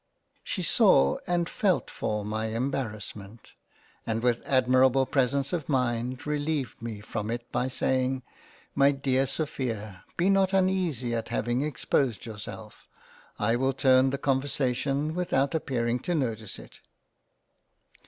She saw and felt for my Em barrassment and with admirable presence of mind releived me from it by saying —" My dear Sophia be not uneasy at having exposed yourself — I will turn the Conversation with out appearing to notice it."